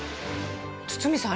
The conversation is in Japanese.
堤さん